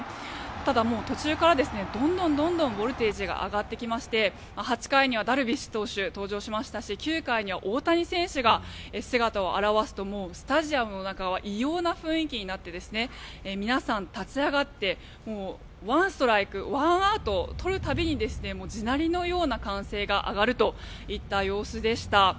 ただ、途中からどんどんボルテージが上がってきまして８回にはダルビッシュ投手登場しましたし９回には大谷選手が姿を現すともうスタジアムの中は異様な雰囲気になって皆さん、立ち上がって１ストライク、１アウト取る度に地鳴りのような歓声が上がるといった様子でした。